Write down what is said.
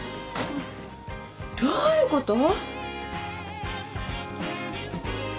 どういうこと！